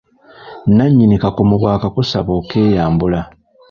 Nnannyini kakomo bw'akakusaba okeeyambula.